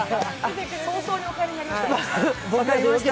早々にお帰りになりました。